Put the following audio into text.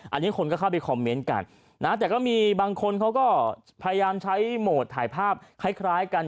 อันนี้คนก็เข้าไปคอมเมนต์กันนะแต่ก็มีบางคนเขาก็พยายามใช้โหมดถ่ายภาพคล้ายกัน